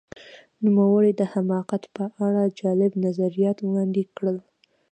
نوموړي د حماقت په اړه جالب نظریات وړاندې کړل.